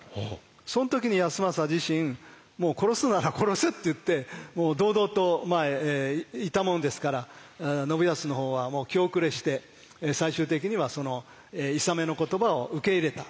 そん時に康政自身もう殺すなら殺せって言ってもう堂々といたものですから信康の方はもう気後れして最終的にはそのいさめの言葉を受け入れた。